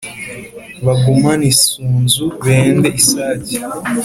Bagumana isunzu benda isake!